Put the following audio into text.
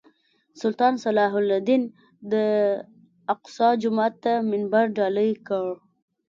سلطان صلاح الدین د الاقصی جومات ته منبر ډالۍ کړی.